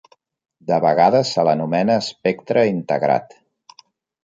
De vegades se l'anomena espectre integrat.